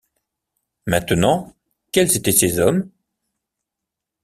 Maintenant, quels étaient ces hommes?